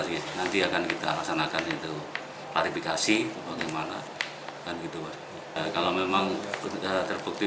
ya nanti akan kita laksanakan itu klarifikasi bagaimana kan gitu kalau memang terbukti